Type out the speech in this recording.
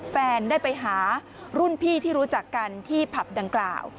แฟนได้ไปหารุ่นพี่ที่รู้จักกันที่ผับดังกล่าว